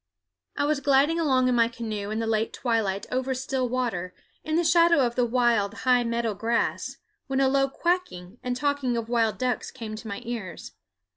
I was gliding along in my canoe in the late twilight over still water, in the shadow of the wild high meadow grass, when a low quacking and talking of wild ducks came to my ears.